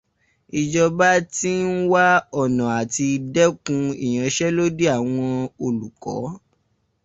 Ìjọba ti ń wá ọ̀nà àti dẹ́kun ìyànṣẹ́lódì àwọn olùkọ́.